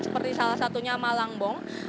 seperti salah satunya malangbong